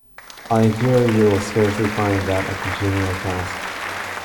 I fear you will scarcely find that a congenial task.